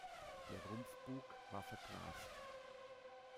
Der Rumpfbug war verglast.